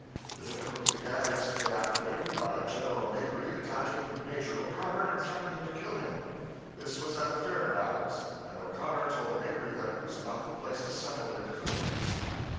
The difficulty began yesterday afternoon by General Mabry attacking Major O'Connor and threatening to kill him. This was at the fair grounds, and O'Connor told Mabry that it was not the place to settle their difficulties.